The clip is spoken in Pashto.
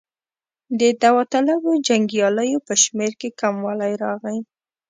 د داوطلبو جنګیالیو په شمېر کې کموالی راغی.